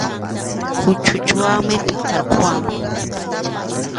Kuchuchunwanmi takarquwan.